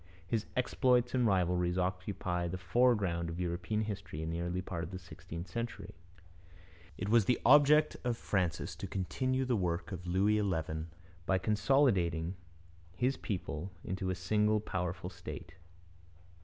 His exploits and rivalries occupy the foreground of European history in the earlier part of the sixteenth century. It was the object of Francis to continue the work of Louis XI by consolidating his people into a single powerful state.